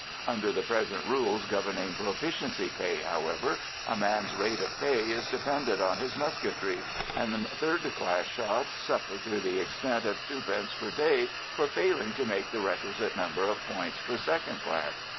Under the present rules governing proficiency pay, however, a man's rate of pay is dependent on his musketry, and third class shots suffer to the extent of twopence per day for failing to make the requisite number of points for second class.